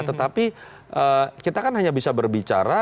tetapi kita kan hanya bisa berbicara